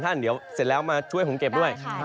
เดี๋ยวเสร็จแล้วมาช่วยผมเก็บด้วย